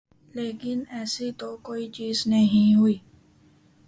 لیکن ایسی تو کوئی چیز نہیں ہوئی۔